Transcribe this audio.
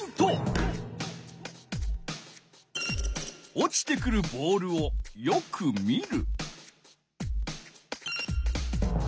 落ちてくるボールをよく見る。